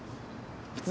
普通